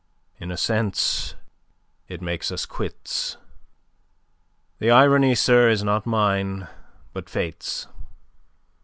In a sense it makes us quits. The irony, sir, is not mine, but Fate's.